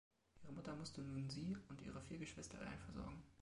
Ihre Mutter musste nun sie und ihre vier Geschwister allein versorgen.